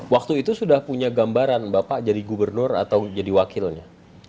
waktu itu sudah punya gambaran bapak jadi gubernur atau jadi wakilnya